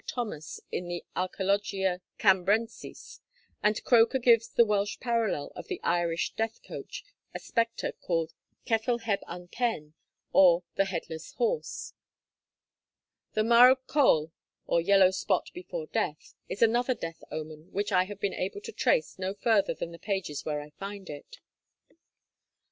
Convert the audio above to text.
Thomas in the 'Archæologia Cambrensis'; and Croker gives as the Welsh parallel of the Irish death coach a spectre called ceffyl heb un pen, or the headless horse. The marw coel, or 'yellow spot before death,' is another death omen which I have been able to trace no further than the pages where I find it. FOOTNOTES: 'Dewch!